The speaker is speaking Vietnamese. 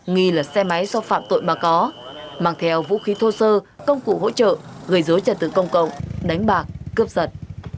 nghi là xe máy so phạm tội mà có mang theo vũ khí thô sơ công cụ hỗ trợ gây dối trật tự công cộng đánh bạc cướp giật